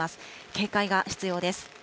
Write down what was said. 警戒が必要です。